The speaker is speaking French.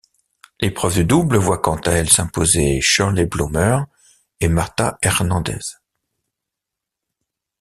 L'épreuve de double voit quant à elle s'imposer Shirley Bloomer et Marta Hernández.